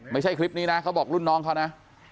ไม่ใช่คลิปนี้นะเขาบอกรุ่นน้องเขานะ